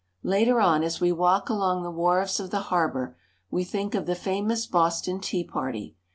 Later on, as we walk along the wharves of the harbor, we think of the famous Boston tea party.